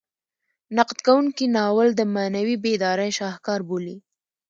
نقد کوونکي ناول د معنوي بیدارۍ شاهکار بولي.